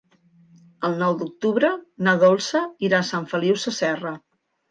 El nou d'octubre na Dolça irà a Sant Feliu Sasserra.